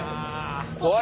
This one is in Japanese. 怖い。